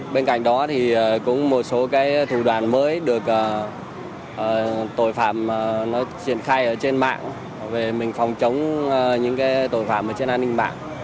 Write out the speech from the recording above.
bên cạnh đó thì cũng một số thủ đoàn mới được tội phạm nó triển khai ở trên mạng về mình phòng chống những tội phạm trên an ninh mạng